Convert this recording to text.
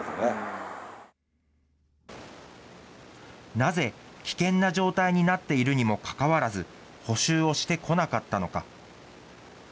なぜ危険な状態になっているにもかかわらず、補修をしてこなかったのか。